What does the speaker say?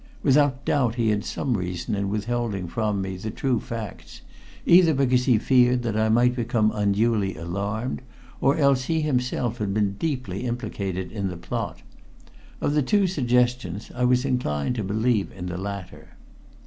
Without doubt he had some reason in withholding from me the true facts, either because he feared that I might become unduly alarmed, or else he himself had been deeply implicated in the plot. Of the two suggestions, I was inclined to believe in the latter.